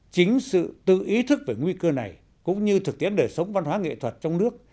chính sự tự ý thức về nguy cơ này cũng như thực tiễn đời sống văn hóa nghệ thuật trong nước